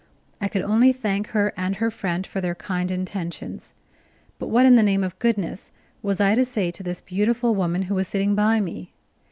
I could only thank her and her friend for their kind intentions. But what in the name of goodness was I to say to this beautiful woman who was sitting by me?